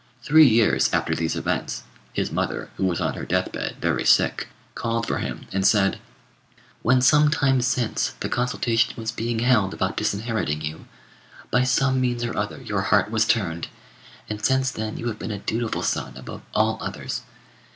Three years after these events, his mother, who was on her death bed, very sick, called for him and said, "When some time since the consultation was being held about disinheriting you, by some means or other your heart was turned, and since then you have been a dutiful son above all others.